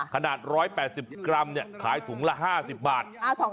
๑๘๐กรัมขายถุงละ๕๐บาท